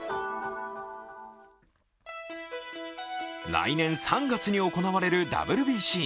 来年３月に行われるＷＢＣ。